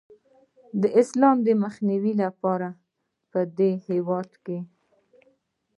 د اسلام د مخنیوي لپاره پدې هیواد کې